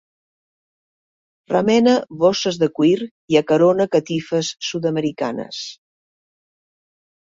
Remena bosses de cuir i acarona catifes sud-americanes.